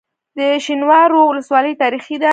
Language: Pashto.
د شینوارو ولسوالۍ تاریخي ده